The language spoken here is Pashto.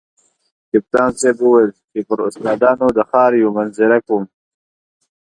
کپتان صاحب ویل چې پر استادانو د ښار یوه منظره کوم.